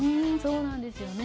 そうなんですよね。